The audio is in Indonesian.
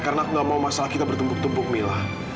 karena aku gak mau masalah kita bertumpuk tumpuk mila